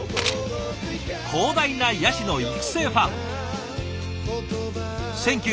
広大なヤシの育成ファーム。